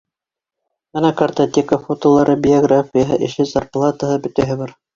Бына картотека, фотолары, биографияһы, эше, зарплатаһы, бөтәһе бар.